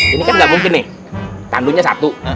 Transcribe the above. ini kan nggak mungkin nih tandunya satu